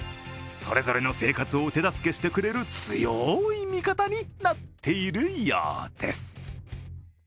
それぞれの生活を手助けしてくれる強い味方になっているようです。